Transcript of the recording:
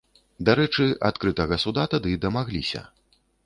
Дарэчы, адкрытага суда тады дамагліся.